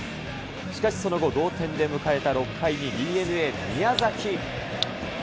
しかしその後、同点で迎えた６回にＤｅＮＡ、宮崎。